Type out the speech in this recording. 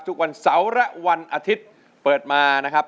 ทุกวันเสาร์และวันอาทิตย์เปิดมานะครับ